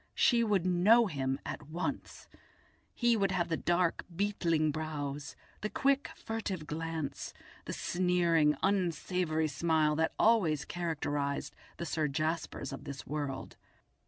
She would know him at once; he would have the dark beetling brows, the quick, furtive glance, the sneering, unsavoury smile that always characterised the Sir Jaspers of this world.